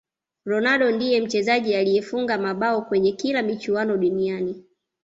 ronaldo ndiye mchezaji aliyefunga mabao kwenye kila michuano duniani